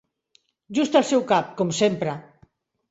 Just al seu cap, com sempre!